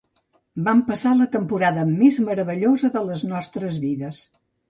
Vam passar la temporada més meravellosa de les nostres vides.